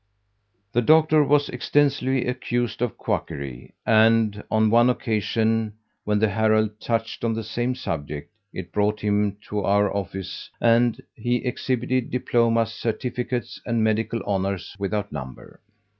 The Doctor was extensively accused of quackery, and on one occasion when the Herald touched on the same subject, it brought him to our office and he exhibited diplomas, certificates and medical honors without number.